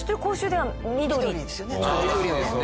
緑ですね。